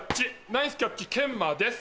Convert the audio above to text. ナイスキャッチケンマです。